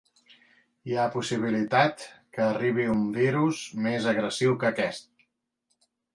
Hi ha possibilitat que arribi un virus més agressiu que aquest.